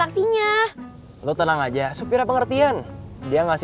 gila lo mau masuk surga bareng gue